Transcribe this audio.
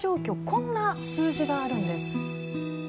こんな数字があるんです。